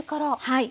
はい。